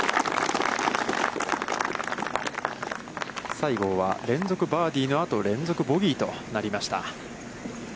西郷は、連続バーディーのあと、連続ボギーとなりました。